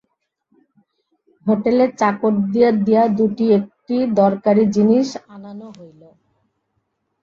হোটেলের চাকরদের দিয়া দুটি একটি দরকারি জিনিস আনানো হইল।